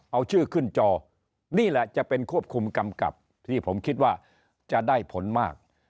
เอาชื่อขึ้นจอนี่แหละจะเป็นควบคุมกำกับที่ผมคิดว่าจะได้ผลมาก